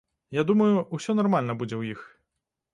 Я думаю, усё нармальна будзе ў іх.